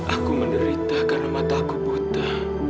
aku menderita karena nenek memandang aku sebelah mata